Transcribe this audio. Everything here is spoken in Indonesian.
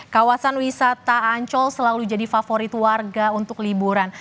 kawasan wisata ancol selalu jadi favorit warga untuk liburan